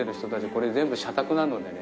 これ全部社宅なのでね